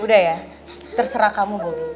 udah ya terserah kamu bu